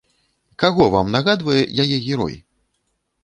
Каго вам нагадвае яе герой?